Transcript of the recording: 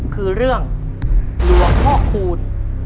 คือเรื่องหลวงพ่อคูณ